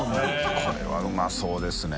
これはうまそうですね。